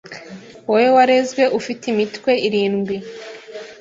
Wowe warezwe ufite imitwe irindwi